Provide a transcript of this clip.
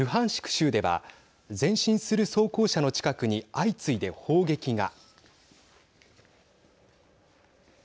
州では前進する装甲車の近くに相次いで砲撃が。